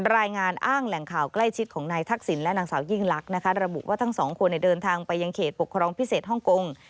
รายงานอ้างแหล่งข่าวใกล้ชิดของนายทักษิณและนางสาวยิ่งลักษณ์นะคะระบุว่าทั้งสองคนเดินทางไปยังเขตปกครองพิเศษฮ่องกง